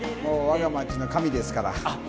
我が町の神ですから。